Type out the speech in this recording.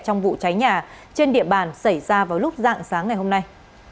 trong vụ cháy nhà trên địa bàn xảy ra vào lúc dạng sáng ngày hôm nay